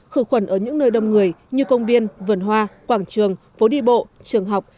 khử khuẩn ở những nơi đông người như công viên vườn hoa quảng trường phố đi bộ trường học